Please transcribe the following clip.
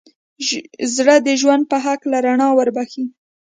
زړه د ژوند په هکله رڼا وربښي.